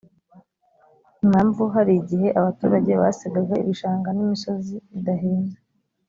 impamvu hari igihe abaturage basigaga ibishanga n’imisozi bidahinze